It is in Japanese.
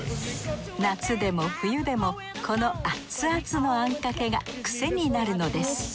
夏でも冬でもこのアツアツのあんかけがクセになるのです。